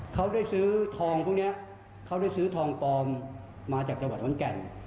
เขาได้ซื้อทองพวกนี้เขาได้ซื้อทองปลอมมาจากจังหวัดขอนแก่น